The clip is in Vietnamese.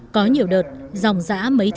có nhiều đợt dòng giã mấy thịt